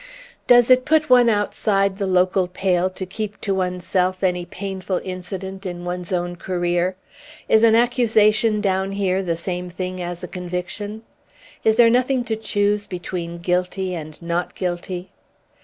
"Does it put one outside the local pale to keep to oneself any painful incident in one's own career? Is an accusation down here the same thing as a conviction? Is there nothing to choose between 'guilty' and 'not guilty'?"